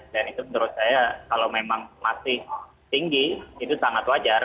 dan itu menurut saya kalau memang masih tinggi itu sangat wajar